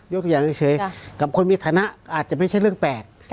อย่างเฉยกับคนมีฐานะอาจจะไม่ใช่เรื่องแปลก